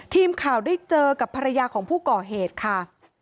ทีมข่าวได้เจอกับภรรยาของผู้ก่อเหตุค่ะ